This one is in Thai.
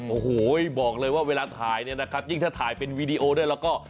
โอ้โหบอกเลยว่าเวลาถ่ายเนี่ยนะครับยิ่งถ้าถ่ายเป็นวีดีโอด้วยแล้วก็